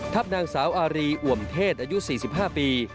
นางสาวอารีอ่วมเทศอายุ๔๕ปี